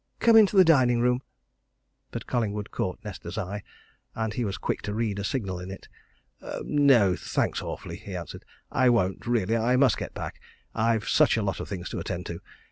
Come into the dining room." But Collingwood caught Nesta's eye, and he was quick to read a signal in it. "No, thanks awfully!" he answered. "I won't really I must get back I've such a lot of things to attend to.